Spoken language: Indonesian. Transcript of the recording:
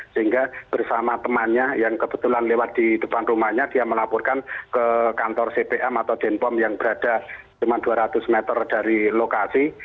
sehingga bersama temannya yang kebetulan lewat di depan rumahnya dia melaporkan ke kantor cpm atau denpom yang berada cuma dua ratus meter dari lokasi